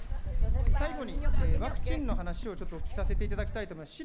最後にワクチンの話をちょっとお聞きさせていただきたいと思います。